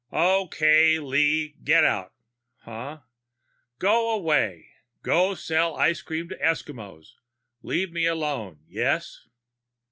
"Okay, Lee. Get out." "Huh?" "Go away. Go sell ice to the Eskimos. Leave me alone, yes?"